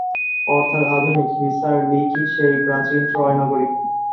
অর্থাৎ, আধুনিক হিসারলিক-ই সেই প্রাচীন ট্রয় নগরী।